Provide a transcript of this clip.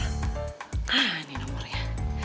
nah ini nomornya